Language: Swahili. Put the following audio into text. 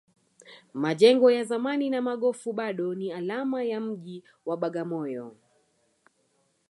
majengo ya zamani na magofu bado ni alama ya mji wa bagamoyo